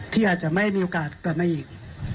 ที่อาจจะไม่มีโอกาสกลับมาอีก